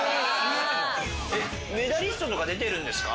メダリストとか出てるんですか？